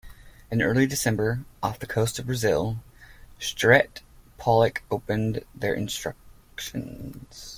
In early December, off the coast of Brazil, Sterett and Pollock opened their instructions.